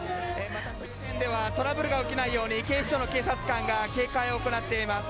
またトラブルが起きないように警視庁の警察官が警戒を行っています。